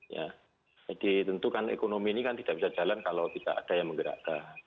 jadi tentukan ekonomi ini kan tidak bisa jalan kalau tidak ada yang menggerakkan